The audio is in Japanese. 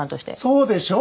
そうでしょう？